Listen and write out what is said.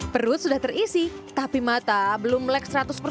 perut sudah terisi tapi mata belum melek seratus